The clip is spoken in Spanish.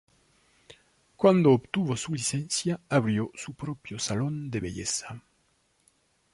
Cuando obtuvo su licencia, abrió su propio salón de belleza.